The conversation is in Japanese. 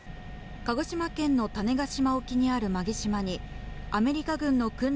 鹿児島県の種子島沖にある馬毛島に、アメリカ軍の訓練